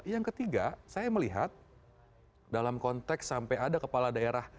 yang ketiga saya melihat dalam konteks sampai ada kepala daerah